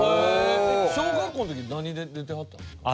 小学校の時何で出てはったんですか？